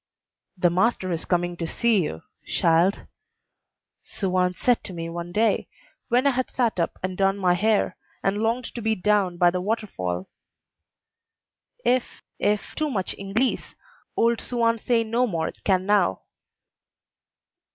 "The master is coming to see you, shild," Suan said to me one day, when I had sat up and done my hair, and longed to be down by the water fall; "if, if too much Inglese old Suan say no more can now."